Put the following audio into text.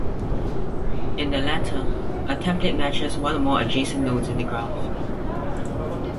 In the latter, a template matches one or more adjacent nodes in the graph.